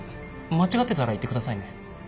間違ってたら言ってくださいね